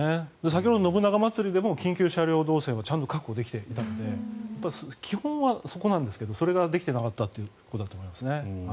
先ほどの信長まつりでも緊急車両動線はちゃんと確保できていたので基本はそこなんですけどそこができていなかったということだと思います。